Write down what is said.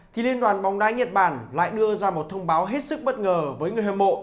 thì liên đoàn bóng đá nhật bản lại đưa ra một thông báo hết sức bất ngờ với người hâm mộ